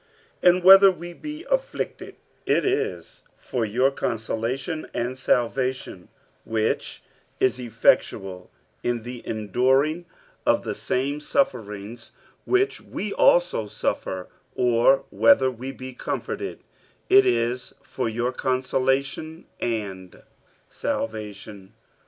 47:001:006 And whether we be afflicted, it is for your consolation and salvation, which is effectual in the enduring of the same sufferings which we also suffer: or whether we be comforted, it is for your consolation and salvation.